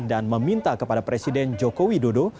dan meminta kepada presiden jokowi dodo